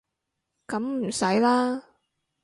噉唔使啦